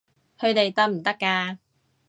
佢哋得唔得㗎？